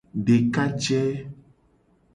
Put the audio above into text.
Dekaje.